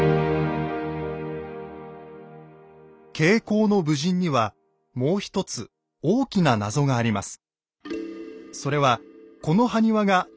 「挂甲の武人」にはもう一つ大きな謎があります。